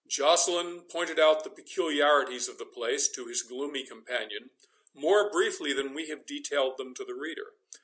Joceline pointed out the peculiarities of the place to his gloomy companion more briefly than we have detailed them to the reader.